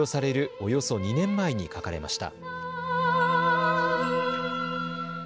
およそ２年前に書かれました。